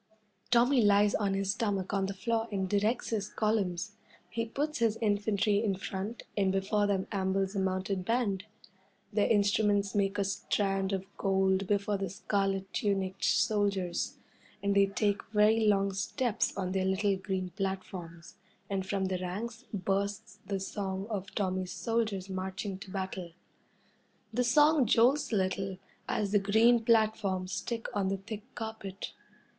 Tommy lies on his stomach on the floor and directs his columns. He puts his infantry in front, and before them ambles a mounted band. Their instruments make a strand of gold before the scarlet tunicked soldiers, and they take very long steps on their little green platforms, and from the ranks bursts the song of Tommy's soldiers marching to battle. The song jolts a little as the green platforms stick on the thick carpet.